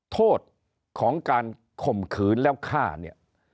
โทษของการข่มขืนแล้วฆ่าเนี่ย